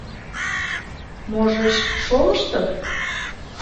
Можыч, шолыштын?